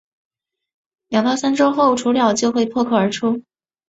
两到三周后雏鸟就会破壳而出。